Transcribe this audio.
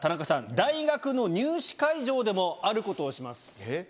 大学の入試会場でもあることをします。